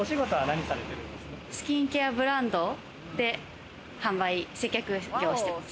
スキンケアブランドで販売・接客業をしてます。